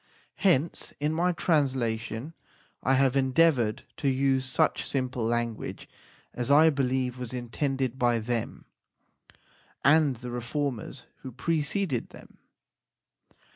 Hence in my translation I have endeavoured to use such simple language as I believe was intended by them and the reformers who pre ceded them.